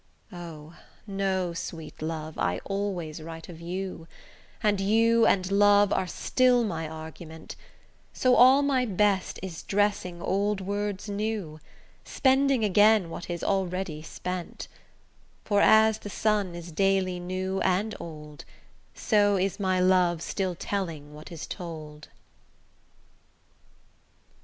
O! know sweet love I always write of you, And you and love are still my argument; So all my best is dressing old words new, Spending again what is already spent: For as the sun is daily new and old, So is my love still telling what is told.